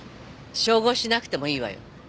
照合しなくてもいいわよ。